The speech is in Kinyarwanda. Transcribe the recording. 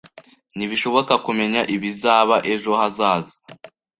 Ntibishoboka kumenya ibizaba ejo hazaza